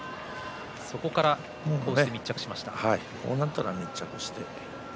そこから密着していきました。